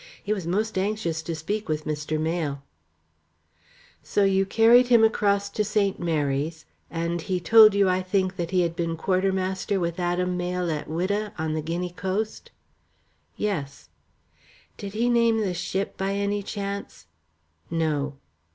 He was most anxious to speak with Mr. Mayle." "So you carried him across to St. Mary's, and he told you, I think, that he had been quartermaster with Adam Mayle at Whydah, on the Guinea coast?" "Yes." "Did he name the ship by any chance?" "No."